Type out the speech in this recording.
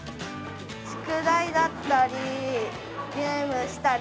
宿題だったり、ゲームしたり、